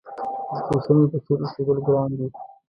د شمعې په څېر اوسېدل ګران دي.